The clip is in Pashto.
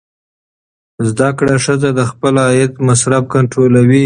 زده کړه ښځه د خپل عاید مصرف کنټرولوي.